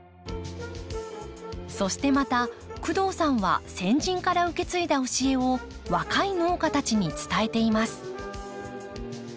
そしてまた工藤さんは先人から受け継いだ教えを若い農家たちに伝えています。